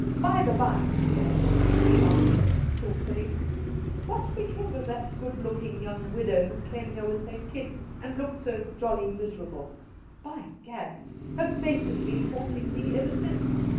' By the by, dear,' he asked thoughtfully, ' what became of that good looking young widow who came here with her kid and looked so jolly miserable ? By Gad ! her face has been haunting me ever since.